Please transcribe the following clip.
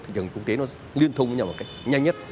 thị trường quốc tế nó liên thông với nhau một cách nhanh nhất